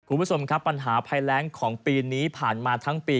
คุณผู้ชมครับปัญหาภัยแรงของปีนี้ผ่านมาทั้งปี